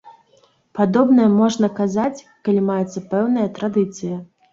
Падобнае можна казаць, калі маецца пэўная традыцыя.